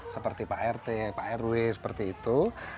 seperti pak rt pak rw seperti itu